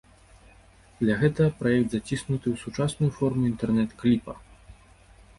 Для гэтага праект заціснуты ў сучасную форму інтэрнэт-кліпа.